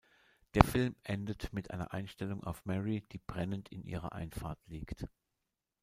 Der Film endet mit einer Einstellung auf Mary, die brennend in ihrer Einfahrt liegt.